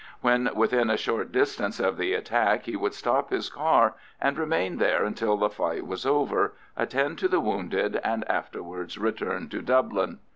When within a short distance of the attack he would stop his car, and remain there until the fight was over, attend to the wounded, and afterwards return to Dublin.